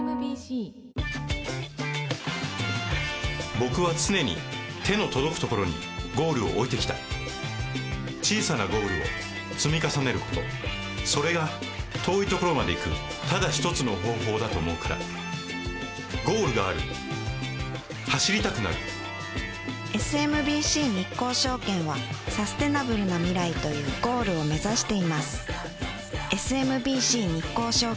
僕は常に手の届くところにゴールを置いてきた小さなゴールを積み重ねることそれが遠いところまで行くただ一つの方法だと思うからゴールがある走りたくなるＳＭＢＣ日興証券はサステナブルな未来というゴールを目指していますＳＭＢＣ日興証券